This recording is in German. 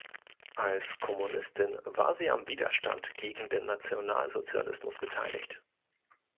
Als Kommunistin war sie am Widerstand gegen den Nationalsozialismus beteiligt.